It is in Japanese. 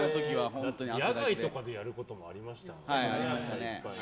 野外とかでやることもありましたから。